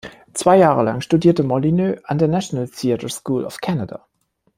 Zwei Jahre lang studierte Molyneux an der National Theatre School of Canada.